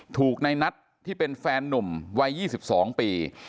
ถูกในนัทที่เป็นแฟนนุ่มวัย๒๒ปี